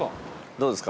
どうですか？